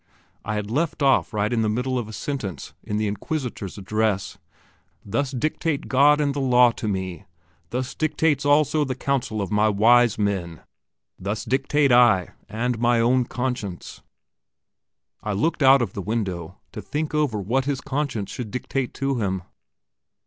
I had left off right in the middle of a sentence in the inquisitor's address "Thus dictate God and the law to me, thus dictates also the counsel of my wise men, thus dictate I and my own conscience...." I looked out of the window to think over what his conscience should dictate to him.